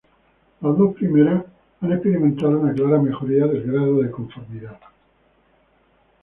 Las dos primeras han experimentado una clara mejoría del grado de conformidad